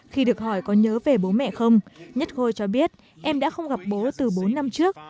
khi được hỏi có nhớ về bố mẹ không nhất khôi cho biết em đã không gặp bố từ bốn năm trước